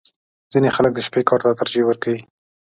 • ځینې خلک د شپې کار ته ترجیح ورکوي.